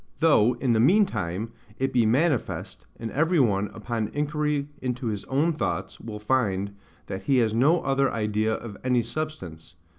Though, in the meantime, it be manifest, and every one, upon inquiry into his own thoughts, will find, that he has no other idea of any substance, v.